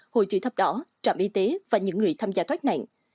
hội trị thắp đỏ trạm y tế và những người tham gia thoát nạn